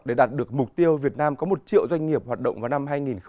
để đạt được mục tiêu việt nam có một triệu doanh nghiệp hoạt động vào năm hai nghìn hai mươi